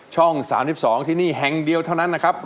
ช่อง๓๒ที่นี่แห่งเดียวเท่านั้นนะครับ